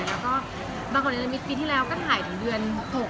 แล้วก็บางคนอาจจะมิดปีที่แล้วก็ถ่ายถึงเดือน๖